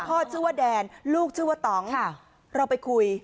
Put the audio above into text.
ชื่อว่าแดนลูกชื่อว่าตองเราไปคุย